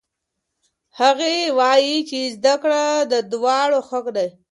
هغې وایي چې زده کړه د دواړو حق دی.